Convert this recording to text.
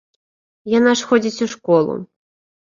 Яна ж ходзіць у школу.